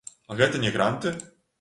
А гэта не гранты?